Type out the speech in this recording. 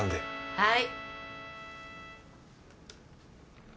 はい。